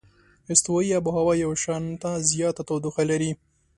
استوایي آب هوا یو شانته زیاته تودوخه لري.